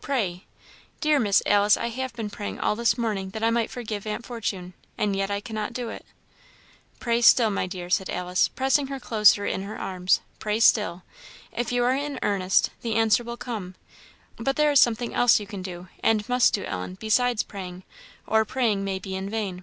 "Pray." "Dear Miss Alice, I have been praying all this morning that I might forgive Aunt Fortune, and yet I cannot do it." "Pray still, my dear," said Alice, pressing her closer in her arms "pray still; if you are in earnest, the answer will come. But there is something else you can do, and must do, Ellen, besides praying, or praying may be in vain."